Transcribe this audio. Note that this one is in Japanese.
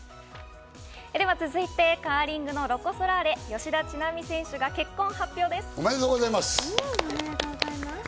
では続いて、カーリングのロコ・ソラーレ、吉田知那美選手が結婚おめでとうございます。